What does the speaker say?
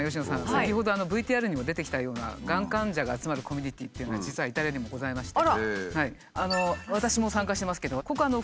先ほどＶＴＲにも出てきたようながん患者が集まるコミュニティーっていうのは実はイタリアにもございまして。